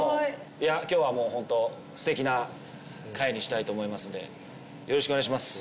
いや今日はもうホントすてきな会にしたいと思いますんでよろしくお願いします